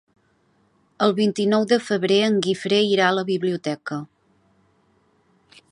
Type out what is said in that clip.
El vint-i-nou de febrer en Guifré irà a la biblioteca.